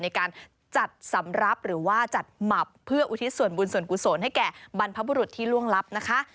ในการจัดสำหรับจัดหมับเพื่ออุทิศส่วนบุญส่วนกุศลให้แก่บรรพบุรุษที่ล่วงลับนะคะ